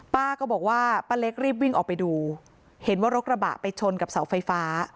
ป้าก็บอกว่าป้าเล็กรีบวิ่งออกไปดูเห็นว่ารถกระบะไปชนกับเสาไฟฟ้า